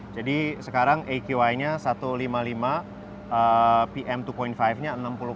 jadi sekarang aqi nya satu ratus lima puluh lima pm dua lima nya enam puluh empat